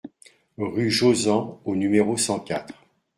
Rue Jozan au numéro cent quatre